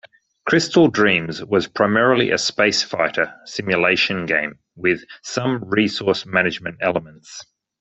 Crystal Dreams was primarily a space fighter simulation game with some resource management elements.